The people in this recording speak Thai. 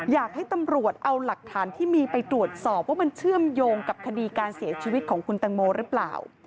อยากให้ตำรวจเอาหลักฐานที่มีไปตรวจสอบว่ามันเชื่อมโยงกับคดีการเสียชีวิตของคุณตังโมหรือเปล่า